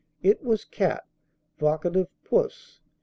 It was 'cat,' vocative 'puss.'